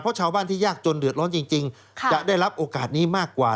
เพราะชาวบ้านที่ยากจนเดือดร้อนจริงจะได้รับโอกาสนี้มากกว่า